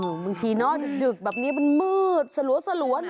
บางทีเนอะดึกแบบนี้มันมืดสลัวนะ